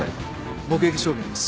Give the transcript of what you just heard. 目撃証言です。